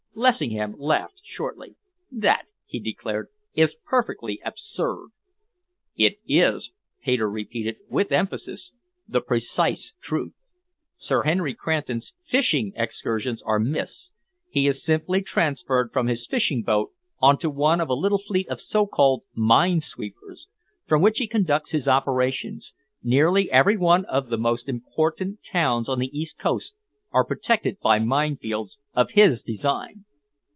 Lessingham laughed shortly. "That," he declared, "is perfectly absurd." "It is," Hayter repeated, with emphasis, "the precise truth. Sir Henry Cranton's fishing excursions are myths. He is simply transferred from his fishing boat on to one of a little fleet of so called mine sweepers, from which he conducts his operations. Nearly every one of the most important towns on the east coast are protected by minefields of his design."